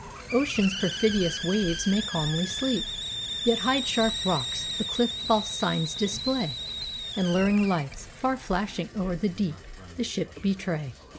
Ocean's perfidious waves may calmly sleep, Yet hide sharp rocks—the cliff false signs display:And luring lights, far flashing o'er the deep, The ship betray.